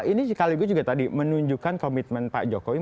ini sekali gue juga tadi menunjukkan komitmen pak jokowi